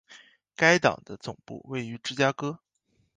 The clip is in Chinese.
该党的总部位于芝加哥。